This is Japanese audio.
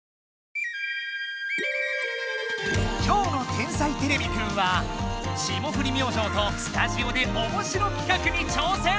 今日の「天才てれびくん」は霜降り明星とスタジオでおもしろ企画に挑戦！